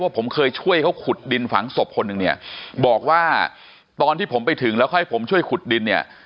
ผมเคยช่วยเขาขุดดินฝังศพคนหนึ่งเนี่ยบอกว่าตอนที่ผมไปถึงแล้วค่อยผมช่วยขุดดินเนี่ย